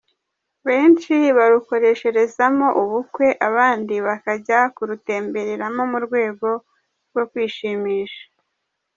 Benshi barukoresherezamo ubukwe, abandi bakajya kurutembereramo mu rwego rwo kwishimisha.